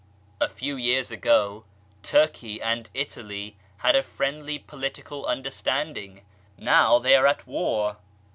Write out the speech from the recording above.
A few years ago, Turkey and Italy had a friendly political understanding ; now they are at war